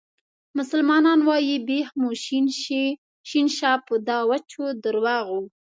مسلمانان وایي بیخ مو شین شه په دا وچو درواغو.